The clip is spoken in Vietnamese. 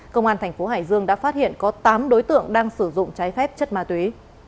công an thành phố hải dương đã phát hiện có tám đối tượng đang sử dụng trái phép chất ma túy